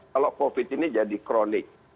kalau covid ini jadi kronik